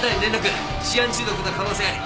シアン中毒の可能性あり。